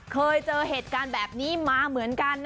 เคยเจอเหตุการณ์แบบนี้มาเหมือนกัน